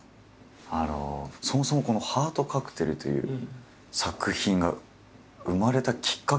あのそもそも「ハートカクテル」という作品が生まれたきっかけというのは？